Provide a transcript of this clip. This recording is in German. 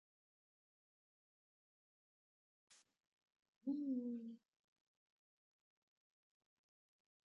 Dies führte zu einer Teilung des Landes in zwei konkurrierende Machtbereiche.